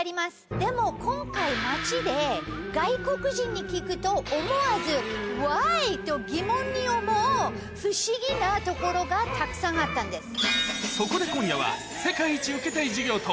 でも今回街で外国人に聞くと思わずＷｈｙ？と疑問に思う不思議なところがたくさんあったんです。